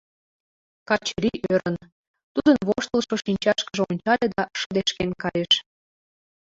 Качырий, ӧрын, тудын воштылшо шинчашкыже ончале да шыдешкен кайыш.